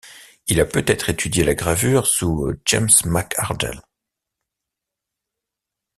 Il a peut-être étudié la gravure sous James MacArdell.